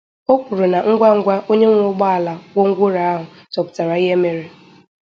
O kwukwara na ngwangwa onye nwe ụgbọala gwongworo ahụ chọpụtara ihe mere